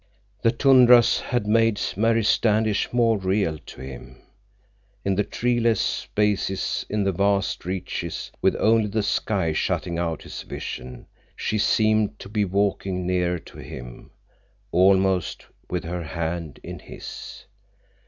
The tundras had made Mary Standish more real to him. In the treeless spaces, in the vast reaches with only the sky shutting out his vision, she seemed to be walking nearer to him, almost with her hand in his.